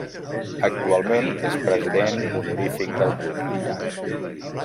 Actualment és president honorífic del club.